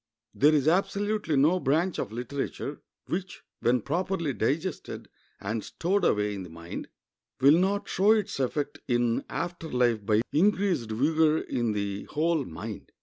There is absolutely no branch of literature which, when properly digested and stowed away in the mind, will not show its effect in after life by increased vigor in the whole mind.